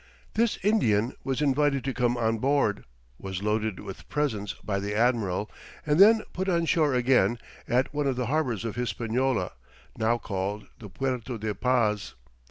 This Indian was invited to come on board, was loaded with presents by the admiral, and then put on shore again, at one of the harbours of Hispaniola, now called the Puerto de Paz.